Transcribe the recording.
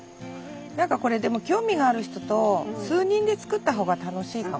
何かこれでもこれ興味がある人と数人で作ったほうが楽しいかも。